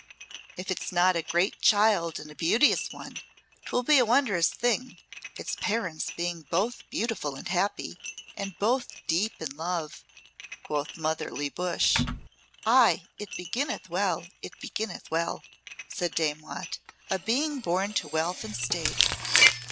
"If 'tis not a great child and a beauteous one 'twill be a wondrous thing, its parents being both beautiful and happy, and both deep in love," quoth motherly Bush. "Ay, it beginneth well; it beginneth well," said Dame Watt "a being born to wealth and state.